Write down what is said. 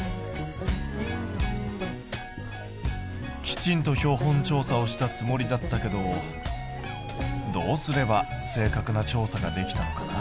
きちんと標本調査をしたつもりだったけどどうすれば正確な調査ができたのかな？